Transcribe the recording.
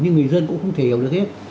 nhưng người dân cũng không thể hiểu được hết